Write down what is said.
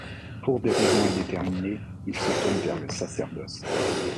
Pour des raisons indéterminées, il se tourne vers le sacerdoce.